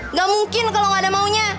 nggak mungkin kalau nggak ada maunya